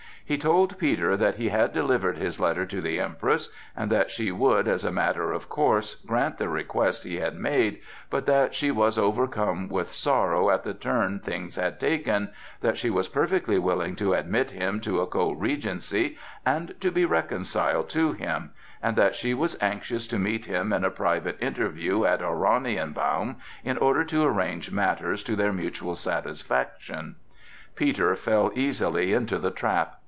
He told Peter that he had delivered his letter to the Empress, and that she would, as a matter of course, grant the request he had made, but that she was overcome with sorrow at the turn things had taken, that she was perfectly willing to admit him to a co regency and to be reconciled to him, and that she was anxious to meet him in a private interview at Oranienbaum in order to arrange matters to their mutual satisfaction. Peter fell easily into the trap.